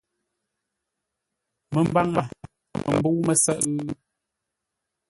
Məmbaŋə pə̂ məmbə̂u mə́sə́ghʼə́?